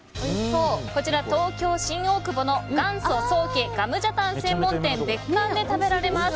こちら、東京・新大久保の元祖宋家ガムジャタン専門店別館で食べられます。